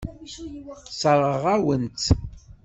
Sseṛɣeɣ-awen-tt.